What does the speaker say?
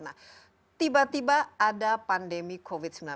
nah tiba tiba ada pandemi covid sembilan belas